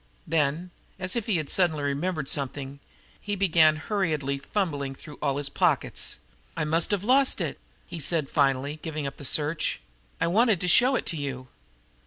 Then, as if he had suddenly remembered something, he began hurriedly fumbling through all his pockets. "I must have lost it," he said finally, giving up the search. "I wanted to show it to you."